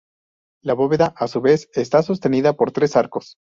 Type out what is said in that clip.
La bóveda, a su vez, está sostenida por tres arcos.